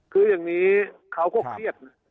คืออย่างนี้เขาก็เครียด